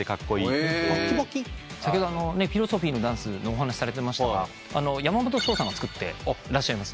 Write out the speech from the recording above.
先ほどフィロソフィーのダンスのお話されてましたがヤマモトショウさんが作ってらっしゃいます。